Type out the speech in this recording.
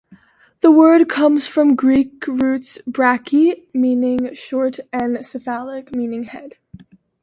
The word comes from Greek roots "Brachy," meaning short and "cephalic," meaning head.